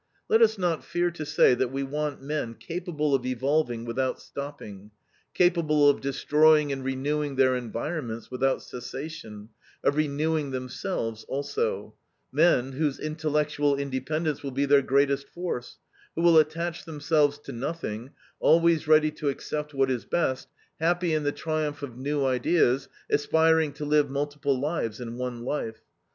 "Let us not fear to say that we want men capable of evolving without stopping, capable of destroying and renewing their environments without cessation, of renewing themselves also; men, whose intellectual independence will be their greatest force, who will attach themselves to nothing, always ready to accept what is best, happy in the triumph of new ideas, aspiring to live multiple lives in one life.